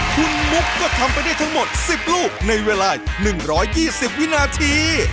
คุณมุกก็ทำไปได้ทั้งหมด๑๐ลูกในเวลา๑๒๐วินาที